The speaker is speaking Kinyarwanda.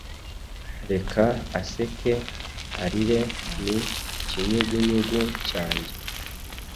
Reka aseke, arire, Ni Ikinyugunyugu cyanjye